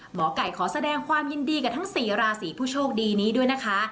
หมอไก่ขอแสดงความยินดีกับทั้ง๔ราศีผู้โชคดีนี้ด้วยนะคะ